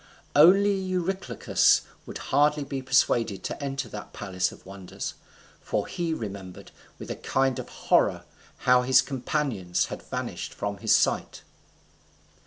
Only Eurylochus would hardly be persuaded to enter that palace of wonders, for he remembered with a kind of horror how his companions had vanished from his sight.